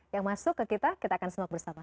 yang masuk ke kita kita akan simak bersama